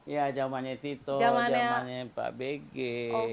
iya jamannya tito jamannya pak begge